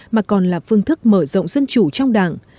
mà còn là phương thức mở rộng dân chủ trong đảng